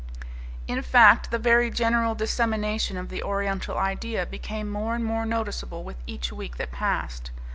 In fact, the very general dissemination of the Oriental idea became more and more noticeable with each week that passed.